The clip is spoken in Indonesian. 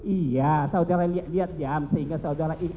iya saudara lihat jam sehingga saudara itu